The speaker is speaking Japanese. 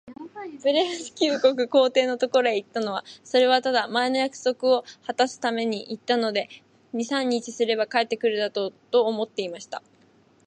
ブレフスキュ国皇帝のところへ行ったのは、それはただ、前の約束をはたすために行ったので、二三日すれば帰って来るだろう、と思っていました。